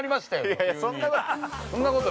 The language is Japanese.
◆いやいや、そんなこと◆